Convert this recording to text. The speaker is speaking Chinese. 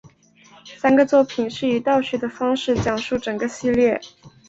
三部作品是以倒叙的方式讲述整个系列。